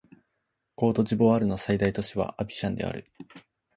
コートジボワールの最大都市はアビジャンである